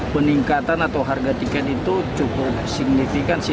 peningkatan atau harga tiket itu cukup signifikan sih